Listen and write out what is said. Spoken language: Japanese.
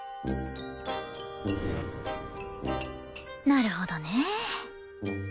なるほどね。